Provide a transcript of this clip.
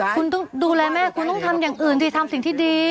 คุณต้องดูแลแม่คุณต้องทำอย่างอื่นสิทำสิ่งที่ดี